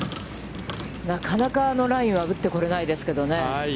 なかなかあのラインは打ってこれないですけどね。